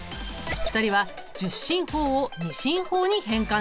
２人は１０進法を２進法に変換したんだ。